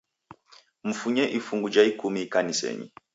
Mfunye ifungu ja ikumi ikanisenyi